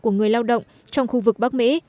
của người lao động trong khu vực bắc mỹ